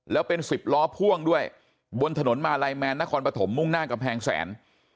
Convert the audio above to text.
แล้วเป็นสิบล้อพ่วงด้วยบนถนนมาลัยแมนนครปฐมมุ่งหน้ากำแพงแสน